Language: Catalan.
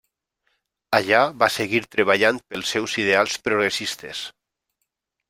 Allà va seguir treballant pels seus ideals progressistes.